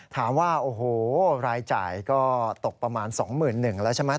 ถามว่าโอ้โหรายจ่ายก็ตกประมาณ๒๑๐๐แล้วใช่ไหม